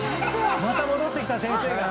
また戻ってきた先生が。